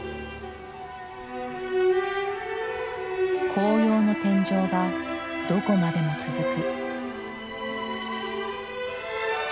紅葉の天井がどこまでも続く。